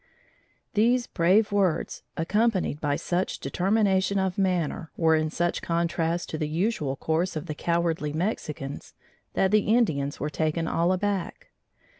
These brave words accompanied by such determination of manner were in such contrast to the usual course of the cowardly Mexicans that the Indians were taken all aback.